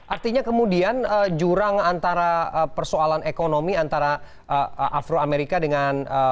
artinya kemudian jurang antara persoalan ekonomi antara afro amerika dengan